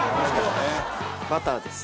バターです。